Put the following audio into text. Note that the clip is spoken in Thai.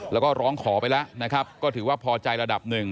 แล้วก็ร้องขอไปแล้วนะครับก็ถือว่าพอใจระดับหนึ่ง